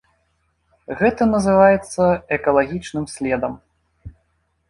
Гэта называецца экалагічным следам.